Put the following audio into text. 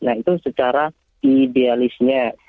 nah itu secara idealisnya